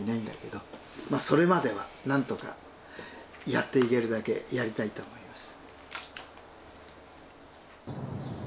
それまでは何とかやっていけるだけやりたいと思います。